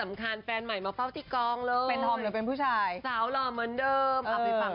มาได้จะทำวิดีโมพูดถูกเลย